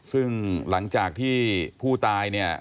ซึ่งหลังจากที่ผู้ตายเนี่ย